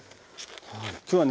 今日はね